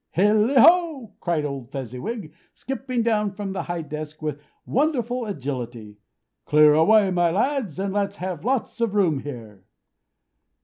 "Hilli ho!" cried old Fezziwig, skipping down from the high desk, with wonderful agility. "Clear away, my lads, and let's have lots of room here!"